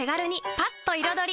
パッと彩り！